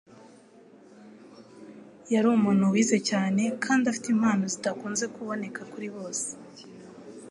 Yari umuntu wize cyane, kandi afite impano zidakunze kuboneka kuri bose,